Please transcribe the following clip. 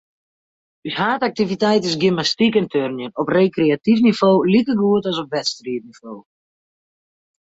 Us haadaktiviteit is gymnastyk en turnjen, op rekreatyf nivo likegoed as op wedstriidnivo.